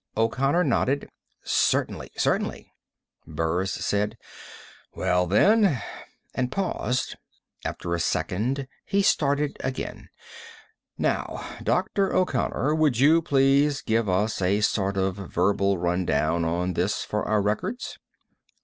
O'Connor nodded. "Certainly. Certainly." Burris said: "Well, then," and paused. After a second he started again: "Now, Dr. O'Connor, would you please give us a sort of verbal run down on this for our records?"